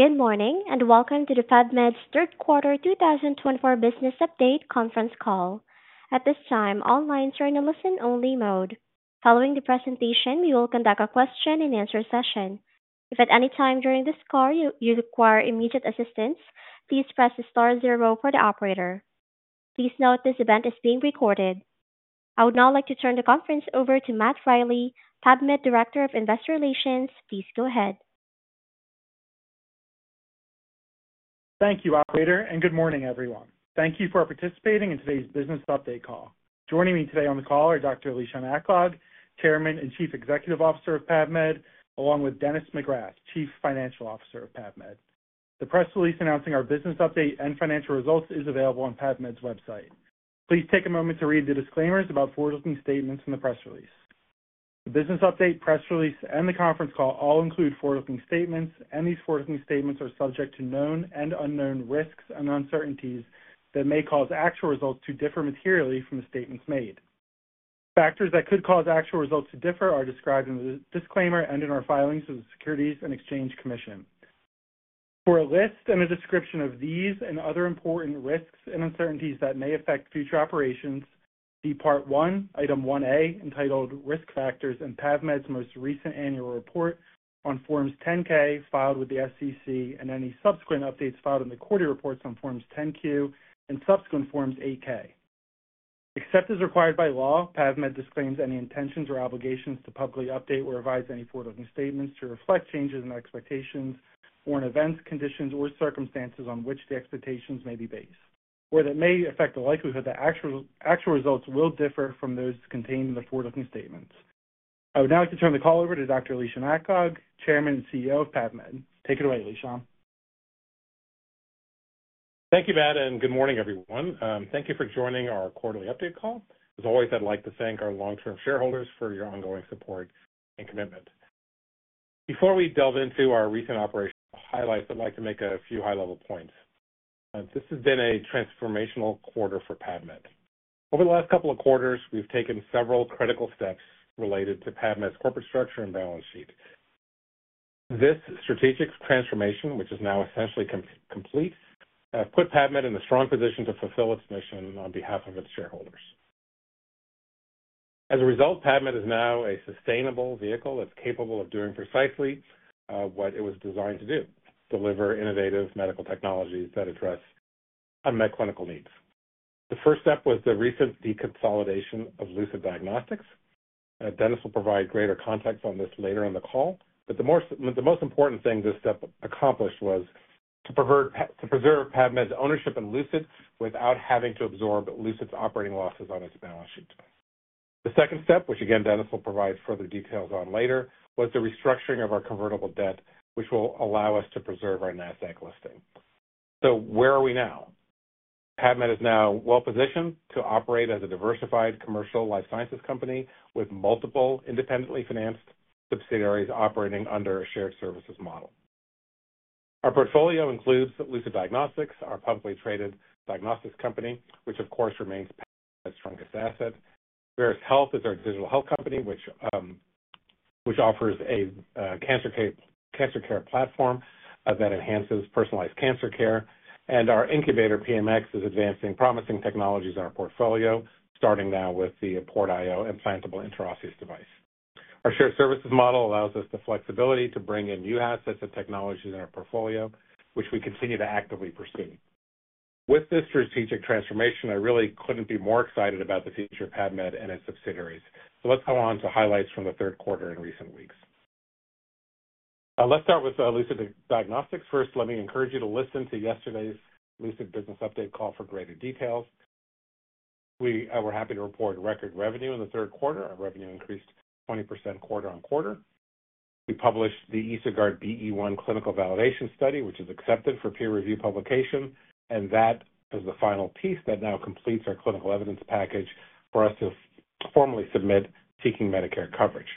Good morning and welcome to the PAVmed's Third Quarter 2024 Business Update Conference Call. At this time, all lines are in a listen-only mode. Following the presentation, we will conduct a question-and-answer session. If at any time during this call you require immediate assistance, please press the star zero for the operator. Please note this event is being recorded. I would now like to turn the conference over to Matt Riley, PAVmed Director of Investor Relations. Please go ahead. Thank you, Operator, and good morning, everyone. Thank you for participating in today's Business Update call. Joining me today on the call are Dr. Lishan Aklog, Chairman and Chief Executive Officer of PAVmed, along with Dennis McGrath, Chief Financial Officer of PAVmed. The press release announcing our Business Update and financial results is available on PAVmed's website. Please take a moment to read the disclaimers about forward-looking statements in the press release. The Business Update, press release, and the conference call all include forward-looking statements, and these forward-looking statements are subject to known and unknown risks and uncertainties that may cause actual results to differ materially from the statements made. Factors that could cause actual results to differ are described in the disclaimer and in our filings with the Securities and Exchange Commission. For a list and a description of these and other important risks and uncertainties that may affect future operations, see Part I, Item 1A, entitled Risk Factors in PAVmed's most recent annual report on Forms 10-K filed with the SEC and any subsequent updates filed in the Quarterly Reports on Forms 10-Q and subsequent Forms 8-K. Except as required by law, PAVmed disclaims any intentions or obligations to publicly update or revise any forward-looking statements to reflect changes in expectations or in events, conditions, or circumstances on which the expectations may be based or that may affect the likelihood that actual results will differ from those contained in the forward-looking statements. I would now like to turn the call over to Dr. Lishan Aklog, Chairman and CEO of PAVmed. Take it away, Lishan. Thank you, Matt, and good morning, everyone. Thank you for joining our Quarterly Update call. As always, I'd like to thank our long-term shareholders for your ongoing support and commitment. Before we delve into our recent operational highlights, I'd like to make a few high-level points. This has been a transformational quarter for PAVmed. Over the last couple of quarters, we've taken several critical steps related to PAVmed's corporate structure and balance sheet. This strategic transformation, which is now essentially complete, has put PAVmed in a strong position to fulfill its mission on behalf of its shareholders. As a result, PAVmed is now a sustainable vehicle that's capable of doing precisely what it was designed to do: deliver innovative medical technologies that address unmet clinical needs. The first step was the recent deconsolidation of Lucid Diagnostics. Dennis will provide greater context on this later in the call, but the most important thing this step accomplished was to preserve PAVmed's ownership in Lucid without having to absorb Lucid's operating losses on its balance sheet. The second step, which again Dennis will provide further details on later, was the restructuring of our convertible debt, which will allow us to preserve our Nasdaq listing. So where are we now? PAVmed is now well-positioned to operate as a diversified commercial life sciences company with multiple independently financed subsidiaries operating under a shared services model. Our portfolio includes Lucid Diagnostics, our publicly traded diagnostics company, which of course remains PAVmed's strongest asset. Veris Health is our digital health company, which offers a cancer care platform that enhances personalized cancer care. And our incubator, PMX, is advancing promising technologies in our portfolio, starting now with the PortIO implantable intraosseous device. Our shared services model allows us the flexibility to bring in new assets and technologies in our portfolio, which we continue to actively pursue. With this strategic transformation, I really couldn't be more excited about the future of PAVmed and its subsidiaries. So let's go on to highlights from the third quarter in recent weeks. Let's start with Lucid Diagnostics. First, let me encourage you to listen to yesterday's Lucid Business Update call for greater details. We were happy to report record revenue in the third quarter. Our revenue increased 20% quarter-on-quarter. We published the EsoGuard BE-1 clinical validation study, which is accepted for peer review publication, and that is the final piece that now completes our clinical evidence package for us to formally submit seeking Medicare coverage.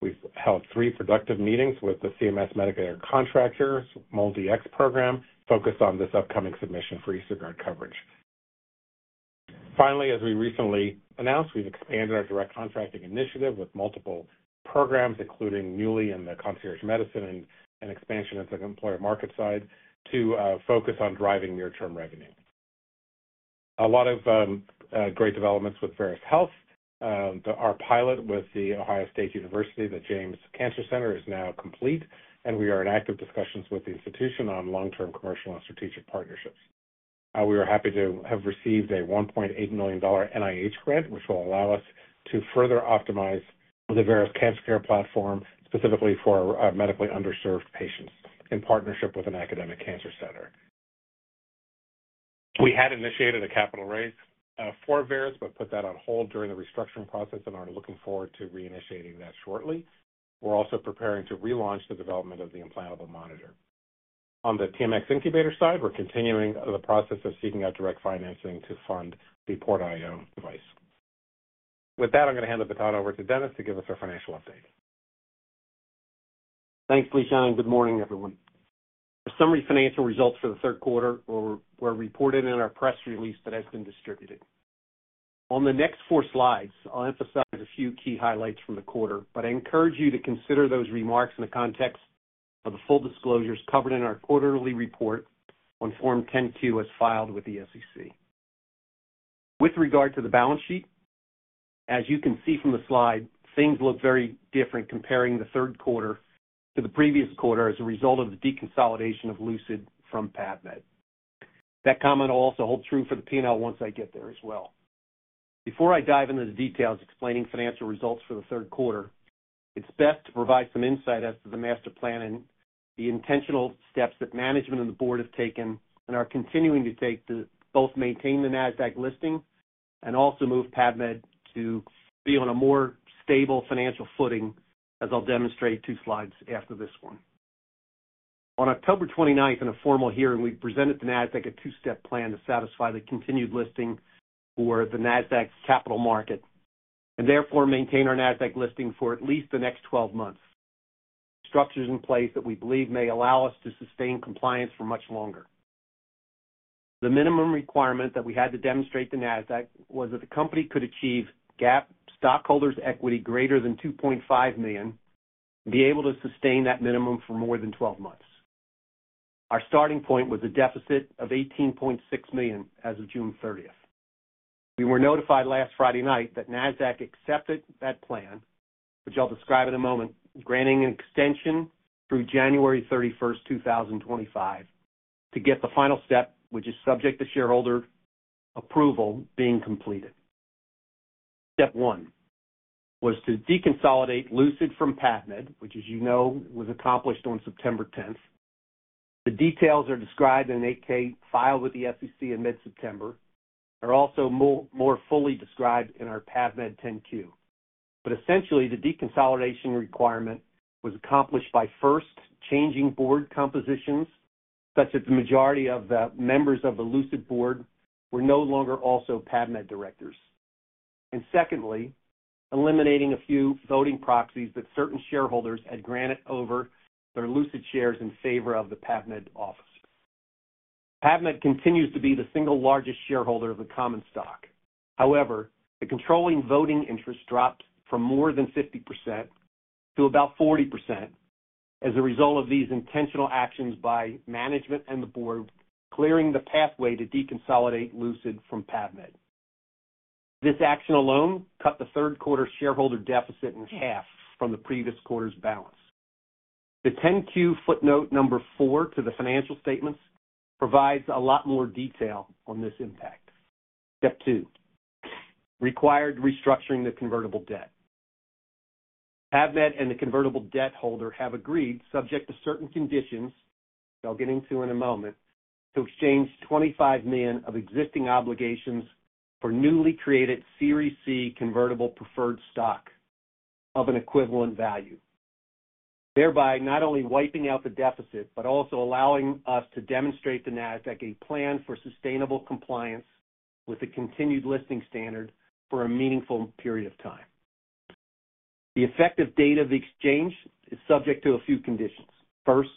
We've held three productive meetings with the CMS Medicare contractors' MolDX program focused on this upcoming submission for EsoGuard coverage. Finally, as we recently announced, we've expanded our direct contracting initiative with multiple programs, including newly in the concierge medicine and expansion into the employer market side, to focus on driving near-term revenue. A lot of great developments with Veris Health. Our pilot with The Ohio State University, The James Cancer Center, is now complete, and we are in active discussions with the institution on long-term commercial and strategic partnerships. We are happy to have received a $1.8 million NIH grant, which will allow us to further optimize the Veris Cancer Care Platform specifically for medically underserved patients in partnership with an academic cancer center. We had initiated a capital raise for Veris, but put that on hold during the restructuring process and are looking forward to reinitiating that shortly. We're also preparing to relaunch the development of the implantable monitor. On the PMX incubator side, we're continuing the process of seeking out direct financing to fund the PortIO device. With that, I'm going to hand the baton over to Dennis to give us our financial update. Thanks, Lishan. Good morning, everyone. Our summary financial results for the third quarter were reported in our press release that has been distributed. On the next four slides, I'll emphasize a few key highlights from the quarter, but I encourage you to consider those remarks in the context of the full disclosures covered in our quarterly report on Form 10-Q as filed with the SEC. With regard to the balance sheet, as you can see from the slide, things look very different comparing the third quarter to the previous quarter as a result of the deconsolidation of Lucid from PAVmed. That comment will also hold true for the P&L once I get there as well. Before I dive into the details explaining financial results for the third quarter, it's best to provide some insight as to the master plan and the intentional steps that management and the board have taken and are continuing to take to both maintain the NASDAQ listing and also move PAVmed to be on a more stable financial footing, as I'll demonstrate two slides after this one. On October 29, in a formal hearing, we presented to NASDAQ a two-step plan to satisfy the continued listing for the NASDAQ capital market and therefore maintain our NASDAQ listing for at least the next 12 months. Structures in place that we believe may allow us to sustain compliance for much longer. The minimum requirement that we had to demonstrate to Nasdaq was that the company could achieve GAAP stockholders' equity greater than $2.5 million and be able to sustain that minimum for more than 12 months. Our starting point was a deficit of $18.6 million as of June 30. We were notified last Friday night that Nasdaq accepted that plan, which I'll describe in a moment, granting an extension through January 31, 2025, to get the final step, which is subject to shareholder approval, being completed. Step one was to deconsolidate Lucid from PAVmed, which, as you know, was accomplished on September 10. The details are described in an 8-K filed with the SEC in mid-September. They're also more fully described in our PAVmed 10-Q. But essentially, the deconsolidation requirement was accomplished by first changing board compositions such that the majority of the members of the Lucid board were no longer also PAVmed directors. And secondly, eliminating a few voting proxies that certain shareholders had granted over their Lucid shares in favor of the PAVmed office. PAVmed continues to be the single largest shareholder of the common stock. However, the controlling voting interest dropped from more than 50% to about 40% as a result of these intentional actions by management and the board clearing the pathway to deconsolidate Lucid from PAVmed. This action alone cut the third quarter shareholder deficit in half from the previous quarter's balance. The 10-Q footnote number four to the financial statements provides a lot more detail on this impact. Step two: required restructuring the convertible debt. PAVmed and the convertible debt holder have agreed, subject to certain conditions, which I'll get into in a moment, to exchange 25 million of existing obligations for newly created Series C convertible preferred stock of an equivalent value, thereby not only wiping out the deficit but also allowing us to demonstrate to NASDAQ a plan for sustainable compliance with the continued listing standard for a meaningful period of time. The effective date of the exchange is subject to a few conditions. First,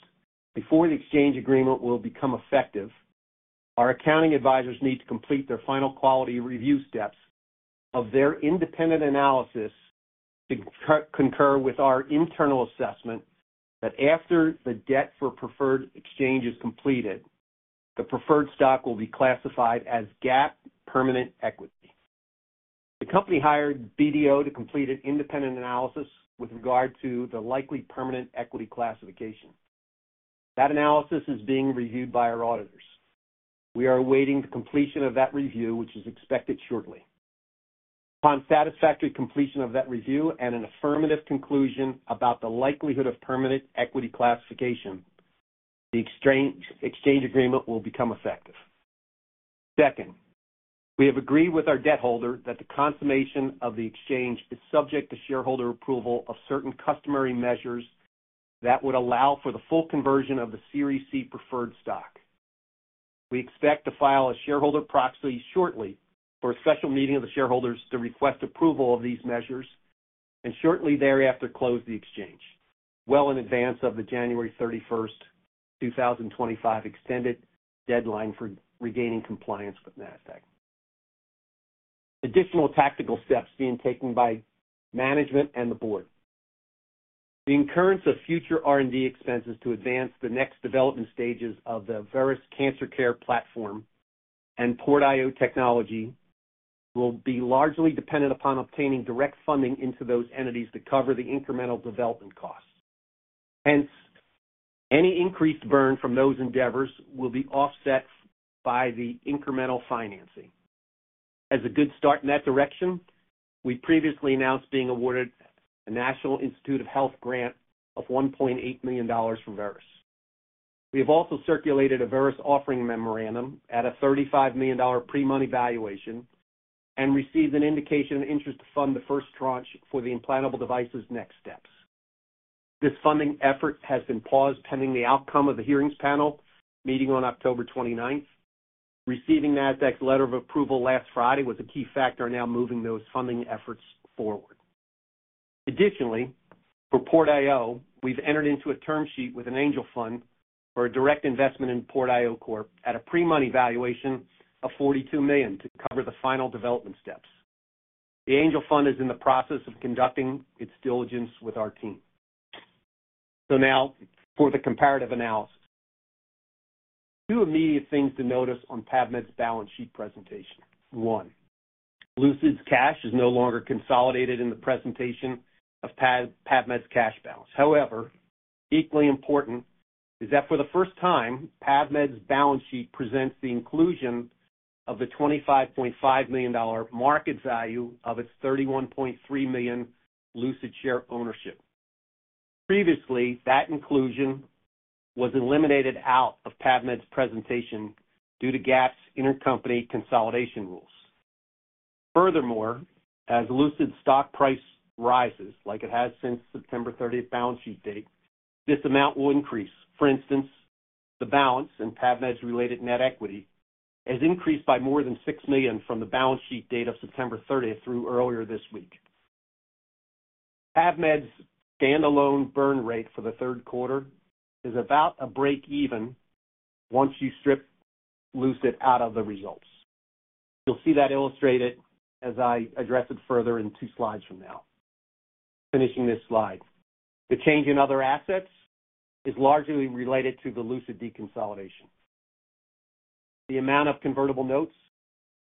before the exchange agreement will become effective, our accounting advisors need to complete their final quality review steps of their independent analysis to concur with our internal assessment that after the debt for preferred exchange is completed, the preferred stock will be classified as GAAP permanent equity. The company hired BDO to complete an independent analysis with regard to the likely permanent equity classification. That analysis is being reviewed by our auditors. We are awaiting the completion of that review, which is expected shortly. Upon satisfactory completion of that review and an affirmative conclusion about the likelihood of permanent equity classification, the exchange agreement will become effective. Second, we have agreed with our debt holder that the consummation of the exchange is subject to shareholder approval of certain customary measures that would allow for the full conversion of the Series C preferred stock. We expect to file a shareholder proxy shortly for a special meeting of the shareholders to request approval of these measures and shortly thereafter close the exchange well in advance of the January 31, 2025, extended deadline for regaining compliance with NASDAQ. Additional tactical steps being taken by management and the board. The incurrence of future R&D expenses to advance the next development stages of the Veris Cancer Care Platform and PortIO technology will be largely dependent upon obtaining direct funding into those entities to cover the incremental development costs. Hence, any increased burn from those endeavors will be offset by the incremental financing. As a good start in that direction, we previously announced being awarded a National Institutes of Health grant of $1.8 million for Veris. We have also circulated a Veris offering memorandum at a $35 million pre-money valuation and received an indication of interest to fund the first tranche for the implantable device's next steps. This funding effort has been paused pending the outcome of the hearings panel meeting on October 29. Receiving Nasdaq's letter of approval last Friday was a key factor in now moving those funding efforts forward. Additionally, for PortIO, we've entered into a term sheet with an angel fund for a direct investment in PortIO Corp at a pre-money valuation of $42 million to cover the final development steps. The angel fund is in the process of conducting its diligence with our team. So now for the comparative analysis. Two immediate things to notice on PAVmed's balance sheet presentation. One, Lucid's cash is no longer consolidated in the presentation of PAVmed's cash balance. However, equally important is that for the first time, PAVmed's balance sheet presents the inclusion of the $25.5 million market value of its $31.3 million Lucid share ownership. Previously, that inclusion was eliminated out of PAVmed's presentation due to GAAP intercompany consolidation rules. Furthermore, as Lucid's stock price rises, like it has since September 30 balance sheet date, this amount will increase. For instance, the balance in PAVmed's related net equity has increased by more than $6 million from the balance sheet date of September 30 through earlier this week. PAVmed's standalone burn rate for the third quarter is about a break-even once you strip Lucid out of the results. You'll see that illustrated as I address it further in two slides from now. Finishing this slide, the change in other assets is largely related to the Lucid deconsolidation. The amount of convertible notes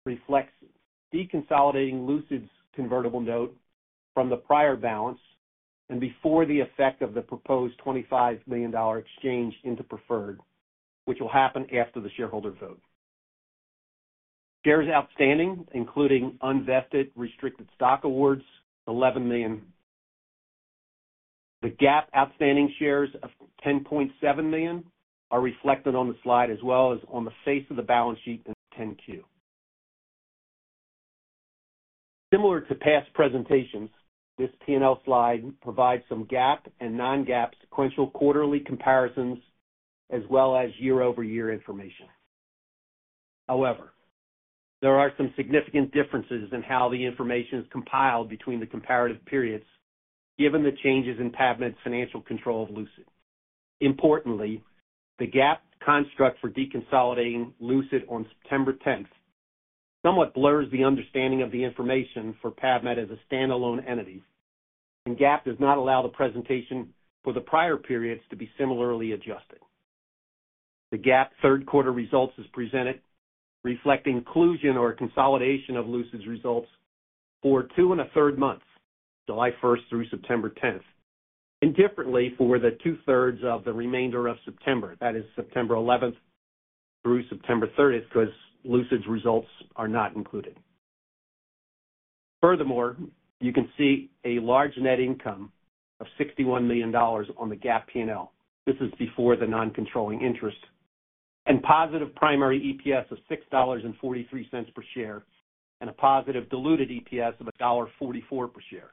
reflects deconsolidating Lucid's convertible note from the prior balance and before the effect of the proposed $25 million exchange into preferred, which will happen after the shareholder vote. Shares outstanding, including unvested restricted stock awards, 11 million. The GAAP outstanding shares of 10.7 million are reflected on the slide as well as on the face of the balance sheet in 10-Q. Similar to past presentations, this P&L slide provides some GAAP and non-GAAP sequential quarterly comparisons as well as year-over-year information. However, there are some significant differences in how the information is compiled between the comparative periods given the changes in PAVmed's financial control of Lucid. Importantly, the GAAP construct for deconsolidating Lucid on September 10 somewhat blurs the understanding of the information for PAVmed as a standalone entity, and GAAP does not allow the presentation for the prior periods to be similarly adjusted. The GAAP third quarter results is presented reflecting inclusion or consolidation of Lucid's results for two and a third months, July 1 through September 10, and differently for the two-thirds of the remainder of September, that is September 11 through September 30, because Lucid's results are not included. Furthermore, you can see a large net income of $61 million on the GAAP P&L. This is before the non-controlling interest and positive primary EPS of $6.43 per share and a positive diluted EPS of $1.44 per share.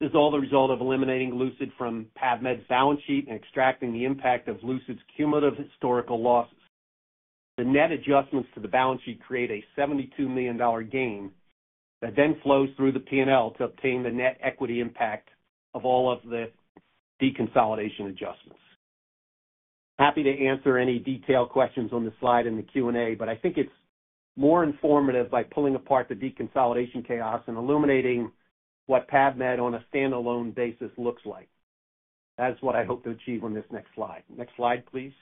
This is all the result of eliminating Lucid from PAVmed's balance sheet and extracting the impact of Lucid's cumulative historical losses. The net adjustments to the balance sheet create a $72 million gain that then flows through the P&L to obtain the net equity impact of all of the deconsolidation adjustments. Happy to answer any detailed questions on the slide in the Q&A, but I think it's more informative by pulling apart the deconsolidation chaos and illuminating what PAVmed on a standalone basis looks like. That's what I hope to achieve on this next slide. Next slide, please.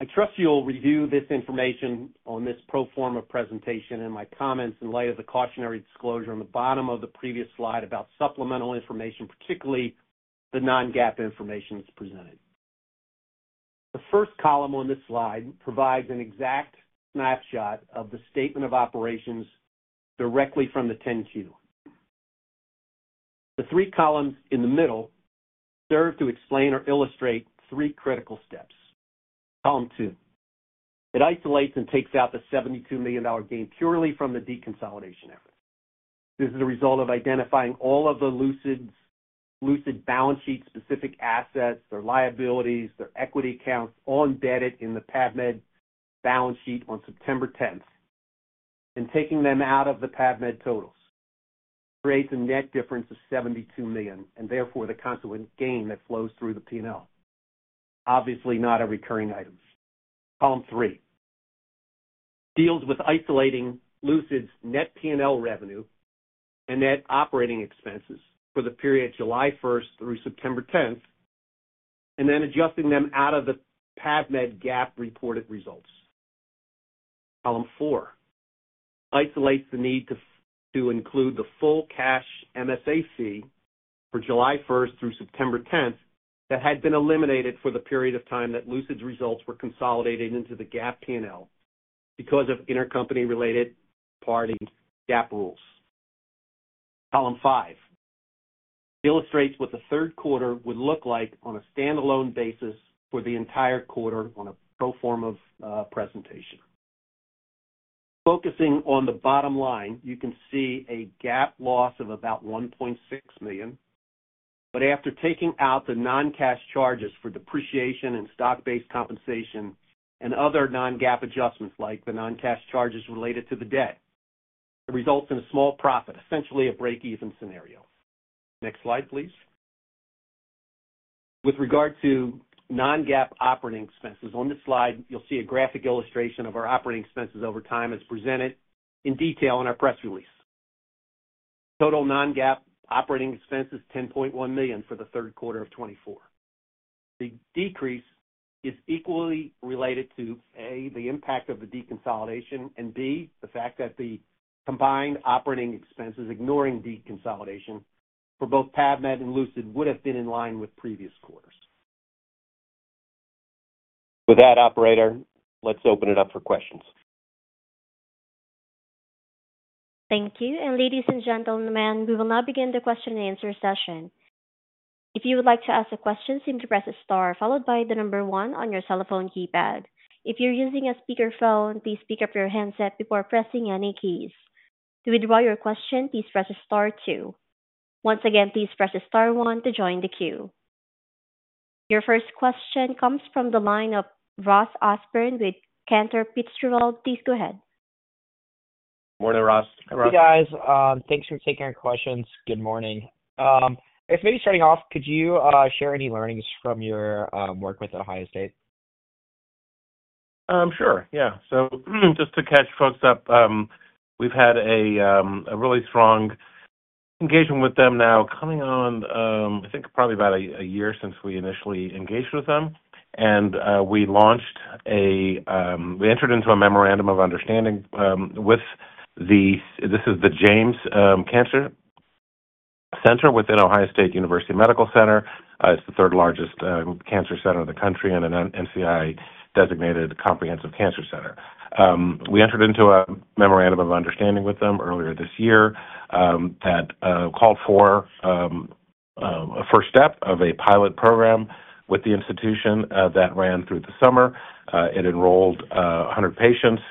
I trust you'll review this information on this pro forma presentation and my comments in light of the cautionary disclosure on the bottom of the previous slide about supplemental information, particularly the non-GAAP information that's presented. The first column on this slide provides an exact snapshot of the statement of operations directly from the 10-Q. The three columns in the middle serve to explain or illustrate three critical steps. Column two, it isolates and takes out the $72 million gain purely from the deconsolidation effort. This is a result of identifying all of the Lucid's balance sheet-specific assets, their liabilities, their equity accounts all embedded in the PAVmed balance sheet on September 10 and taking them out of the PAVmed totals creates a net difference of $72 million and therefore the consequent gain that flows through the P&L. Obviously, not a recurring item. Column three deals with isolating Lucid's net P&L revenue and net operating expenses for the period July 1 through September 10 and then adjusting them out of the PAVmed GAAP reported results. Column four isolates the need to include the full cash MSA fee for July 1 through September 10 that had been eliminated for the period of time that Lucid's results were consolidated into the GAAP P&L because of intercompany related party GAAP rules. Column five illustrates what the third quarter would look like on a standalone basis for the entire quarter on a pro forma presentation. Focusing on the bottom line, you can see a GAAP loss of about $1.6 million. But after taking out the non-cash charges for depreciation and stock-based compensation and other non-GAAP adjustments like the non-cash charges related to the debt, it results in a small profit, essentially a break-even scenario. Next slide, please. With regard to non-GAAP operating expenses, on this slide, you'll see a graphic illustration of our operating expenses over time as presented in detail in our press release. Total non-GAAP operating expenses is $10.1 million for the third quarter of 2024. The decrease is equally related to, A, the impact of the deconsolidation and, B, the fact that the combined operating expenses ignoring deconsolidation for both PAVmed and Lucid would have been in line with previous quarters. With that, operator, let's open it up for questions. Thank you. And ladies and gentlemen, we will now begin the question and answer session. If you would like to ask a question, simply press a star followed by the number one on your cell phone keypad. If you're using a speakerphone, please speak up your handset before pressing any keys. To withdraw your question, please press a star two. Once again, please press a star one to join the queue. Your first question comes from the line of Ross Osborne with Cantor Fitzgerald. Please go ahead. Good morning, Ross. Hey, Ross. Hey, guys. Thanks for taking our questions. Good morning. If maybe starting off, could you share any learnings from your work with Ohio State? Sure. Yeah. So just to catch folks up, we've had a really strong engagement with them now coming on, I think, probably about a year since we initially engaged with them. And we launched a—we entered into a memorandum of understanding with the—this is the James Cancer Center within Ohio State University. It's the third largest cancer center in the country and an NCI-designated comprehensive cancer center. We entered into a memorandum of understanding with them earlier this year that called for a first step of a pilot program with the institution that ran through the summer. It enrolled 100 patients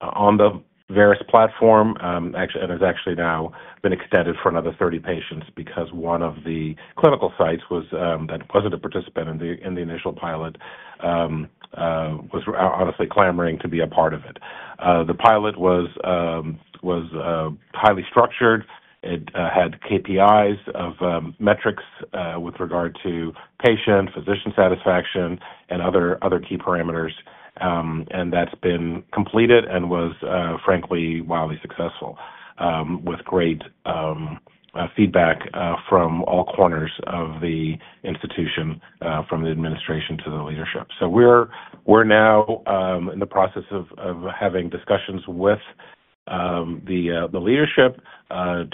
on the Veris's platform and has actually now been extended for another 30 patients because one of the clinical sites that wasn't a participant in the initial pilot was honestly clamoring to be a part of it. The pilot was highly structured. It had KPIs of metrics with regard to patient physician satisfaction and other key parameters. And that's been completed and was, frankly, wildly successful with great feedback from all corners of the institution, from the administration to the leadership. We're now in the process of having discussions with the leadership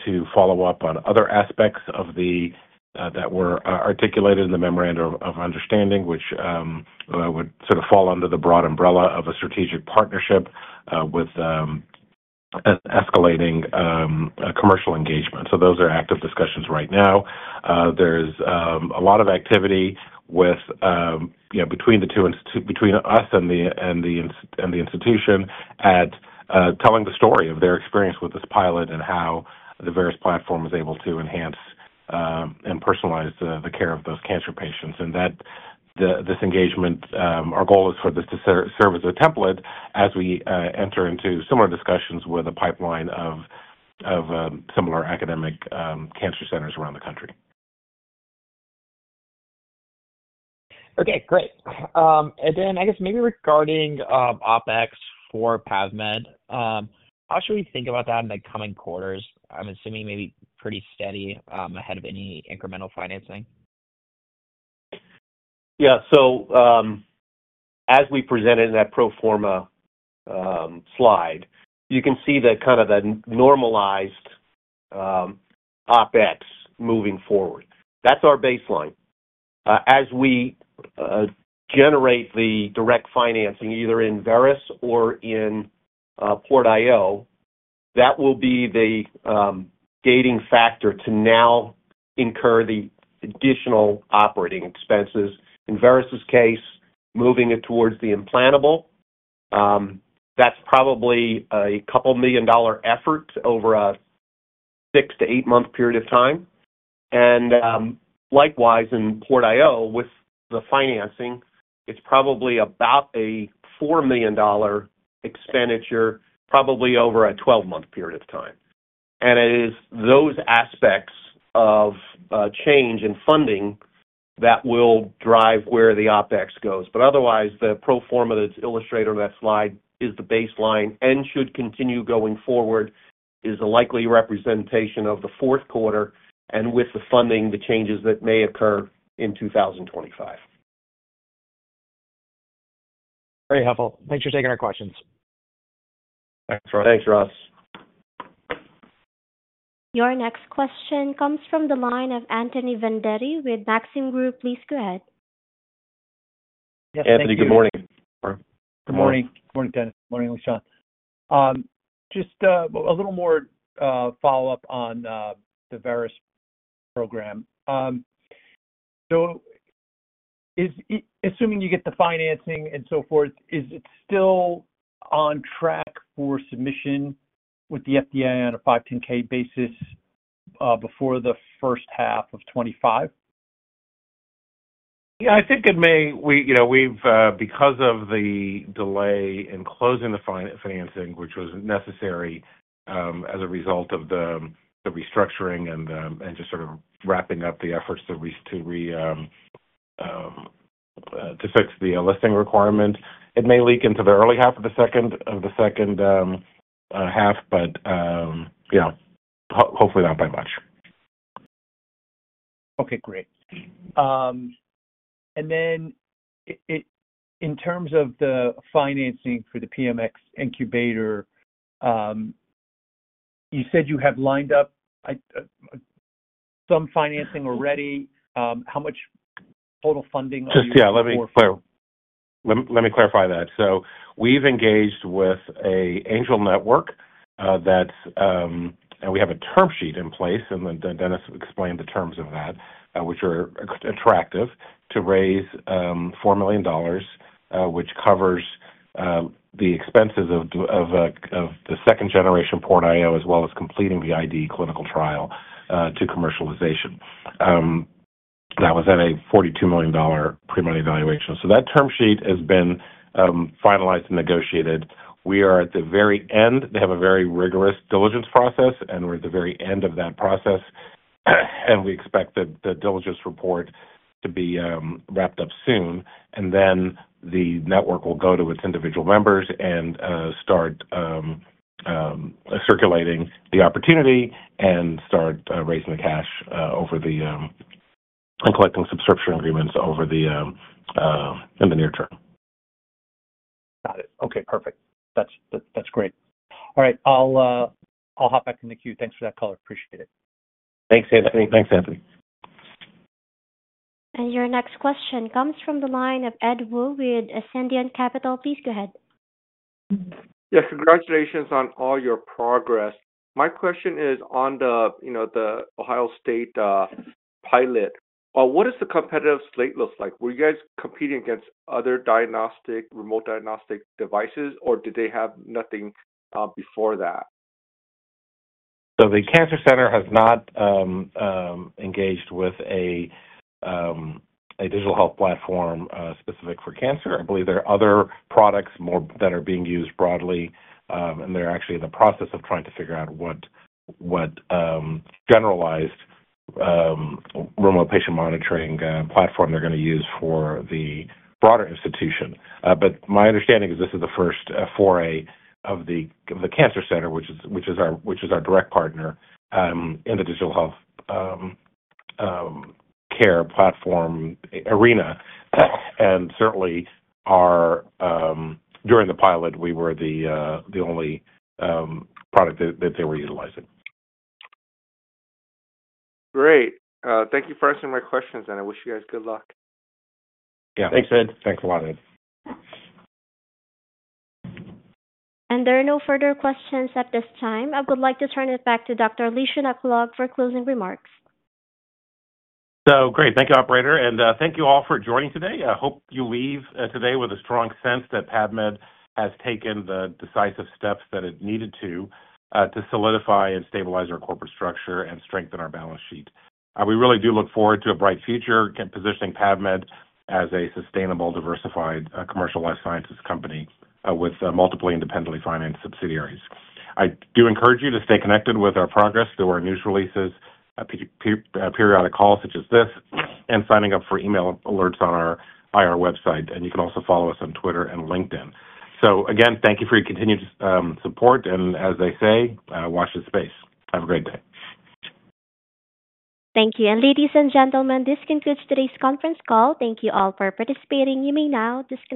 to follow up on other aspects that were articulated in the memorandum of understanding, which would sort of fall under the broad umbrella of a strategic partnership with an escalating commercial engagement. Those are active discussions right now. There's a lot of activity between us and the institution and telling the story of their experience with this pilot and how the Veris's platform is able to enhance and personalize the care of those cancer patients. And this engagement, our goal is for this to serve as a template as we enter into similar discussions with a pipeline of similar academic cancer centers around the country. Okay. Great. And then I guess maybe regarding OpEx for PAVmed, how should we think about that in the coming quarters? I'm assuming maybe pretty steady ahead of any incremental financing. Yeah. So as we presented in that pro forma slide, you can see kind of the normalized OpEx moving forward. That's our baseline. As we generate the direct financing either in Veris's or in PortIO, that will be the gating factor to now incur the additional operating expenses. In Veris's case, moving it towards the implantable, that's probably a $2 million effort over a six- to eight-month period of time. And likewise, in PortIO with the financing, it's probably about a $4 million expenditure probably over a 12-month period of time. And it is those aspects of change and funding that will drive where the OpEx goes. But otherwise, the pro forma that's illustrated on that slide is the baseline and should continue going forward is a likely representation of the fourth quarter and with the funding, the changes that may occur in 2025. Very helpful. Thanks for taking our questions. Thanks, Ross. Thanks, Ross. Your next question comes from the line of Anthony Vendetti with Maxim Group. Please go ahead. Anthony, good morning. Good morning. Good morning, Dennis. Good morning, Lishan. Just a little more follow-up on the Veris program. So assuming you get the financing and so forth, is it still on track for submission with the FDA on a 510(k) basis before the first half of 2025? Yeah. I think it may. Because of the delay in closing the financing, which was necessary as a result of the restructuring and just sort of wrapping up the efforts to fix the listing requirement, it may leak into the early half of the second half, but hopefully not by much. Okay. Great. And then in terms of the financing for the PMX incubator, you said you have lined up some financing already. How much total funding are you looking for? Just yeah, let me clarify that. So we've engaged with an angel network that's and we have a term sheet in place, and then Dennis explained the terms of that, which are attractive to raise $4 million, which covers the expenses of the second-generation PortIO as well as completing the IDE clinical trial to commercialization. That was at a $42 million pre-money valuation. So that term sheet has been finalized and negotiated. We are at the very end. They have a very rigorous diligence process, and we're at the very end of that process. And we expect the diligence report to be wrapped up soon. And then the network will go to its individual members and start circulating the opportunity and start raising the cash over the near term and collecting subscription agreements over the near term. Got it. Okay. Perfect. That's great. All right. I'll hop back in the queue. Thanks for that call. I appreciate it. Thanks, Anthony. Thanks, Anthony. And your next question comes from the line of Ed Woo with Ascendiant Capital. Please go ahead. Yes. Congratulations on all your progress. My question is on the Ohio State pilot. What does the competitive slate look like? Were you guys competing against other remote diagnostic devices, or did they have nothing before that? So the cancer center has not engaged with a digital health platform specific for cancer. I believe there are other products that are being used broadly, and they're actually in the process of trying to figure out what generalized remote patient monitoring platform they're going to use for the broader institution. But my understanding is this is the first foray of the cancer center, which is our direct partner in the digital health care platform arena. And certainly, during the pilot, we were the only product that they were utilizing. Great. Thank you for answering my questions, and I wish you guys good luck. Yeah. Thanks, Ed. Thanks a lot, Ed. And there are no further questions at this time. I would like to turn it back to Dr. Lishan Aklog for closing remarks. So great. Thank you, operator. And thank you all for joining today. I hope you leave today with a strong sense that PAVmed has taken the decisive steps that it needed to solidify and stabilize our corporate structure and strengthen our balance sheet. We really do look forward to a bright future positioning PAVmed as a sustainable, diversified commercial life sciences company with multiple independently financed subsidiaries. I do encourage you to stay connected with our progress through our news releases, periodic calls such as this, and signing up for email alerts on our IR website. And you can also follow us on Twitter and LinkedIn. So again, thank you for your continued support. And as they say, watch this space. Have a great day. Thank you. And ladies and gentlemen, this concludes today's conference call. Thank you all for participating. You may now disconnect.